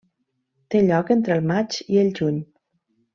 Té lloc entre el maig i el juny.